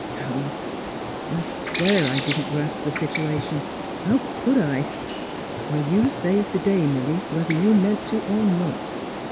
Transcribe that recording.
''No; I swear I didn't grasp the situation. How could I"? ... "Well, you saved the day, Milly, whether you meant to, or not.